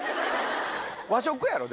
和食やろ？